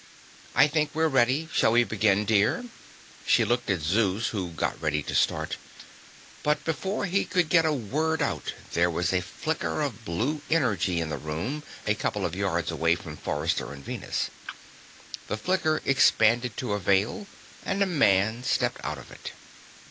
"I think we're ready. Shall we begin, dear?" She looked at Zeus, who got ready to start. But before he could get a word out, there was a flicker of blue energy in the room, a couple of yards away from Forrester and Venus. The flicker expanded to a Veil, and a man stepped out of it.